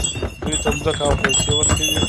دوی ته ځمکه او پیسې ورکوي.